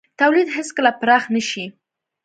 تولید هېڅکله پراخ نه شي.